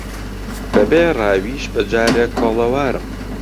بە بێ ڕاویش بەجارێک کۆڵەوارم